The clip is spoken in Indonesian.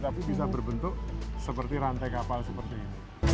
tapi bisa berbentuk seperti rantai kapal seperti ini